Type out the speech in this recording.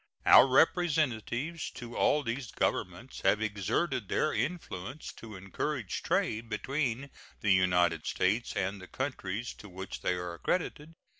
Our representatives to all these Governments have exerted their influence to encourage trade between the United States and the countries to which they are accredited.